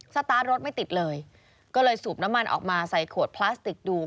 สตาร์ทรถไม่ติดเลยก็เลยสูบน้ำมันออกมาใส่ขวดพลาสติกดู